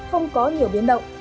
không có nhiều biến động